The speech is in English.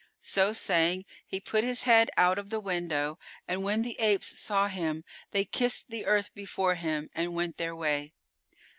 So saying, he put his head out of the window; and when the apes saw him, they kissed the earth before him and went their way.